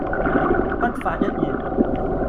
不發一言